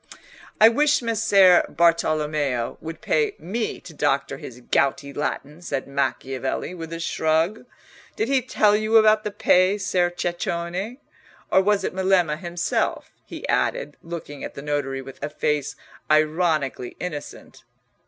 "I wish Messer Bartolommeo would pay me to doctor his gouty Latin," said Macchiavelli, with a shrug. "Did he tell you about the pay, Ser Ceccone, or was it Melema himself?" he added, looking at the notary with a face ironically innocent.